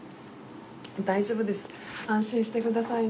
大丈夫です安心してくださいね。